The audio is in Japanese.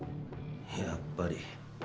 やっぱり。